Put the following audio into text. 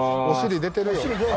お尻出てるよ。